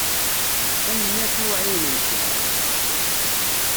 Tanemmirt i uɛiwen-nkent.